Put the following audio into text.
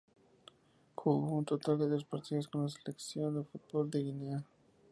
Jugó un total de tres partidos con la selección de fútbol de Guinea.